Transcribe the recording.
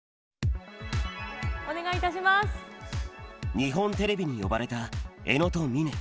日本テレビに呼ばれた江野と峰。